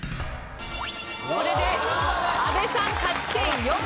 これで阿部さん勝ち点